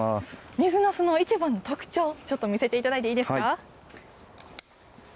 水なすの一番の特徴、ちょっと見せていただいていいですか。